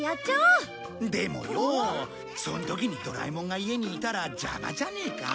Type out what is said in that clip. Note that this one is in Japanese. でもよその時にドラえもんが家にいたら邪魔じゃねえか？